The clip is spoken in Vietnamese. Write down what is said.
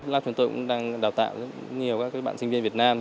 lapt chúng tôi cũng đang đào tạo rất nhiều các bạn sinh viên việt nam